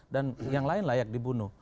dan yang lain layak dibunuh